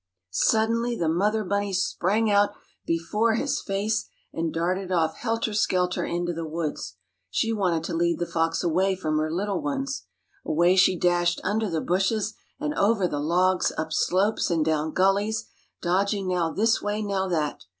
Suddenly the mother bunny sprang out before his face and darted off helter skelter into the woods. She wanted to lead the fox away from her little ones. Away she dashed under the bushes and over the logs, up slopes and down gullies, dodging now this way now that.